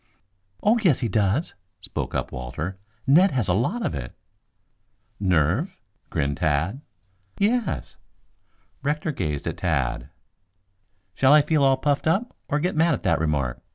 "Oh, yes he does," spoke up Walter. "Ned has a lot of it." "Nerve?" grinned Tad. "Yes." Rector gazed at Tad. "Shall I feel all puffed up or get mad at that remark?"